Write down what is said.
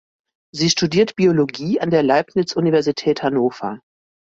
Sie studiert Biologie an der Leibniz Universität Hannover.